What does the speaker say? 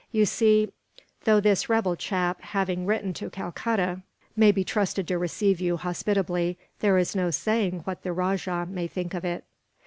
"You see, though this rebel chap, having written to Calcutta, may be trusted to receive you hospitably; there is no saying what the rajah may think of it."